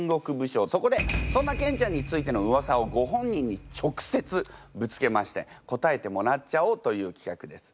そこでそんなケンちゃんについてのウワサをご本人にちょくせつぶつけまして答えてもらっちゃおうというきかくです。